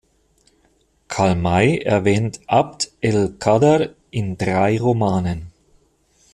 Karl May erwähnt Abd el-Kader in drei Romanen.